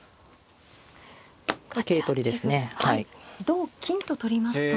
同金と取りますと。